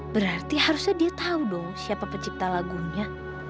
berarti harusnya dia tahu dong siapa pencipta lagunya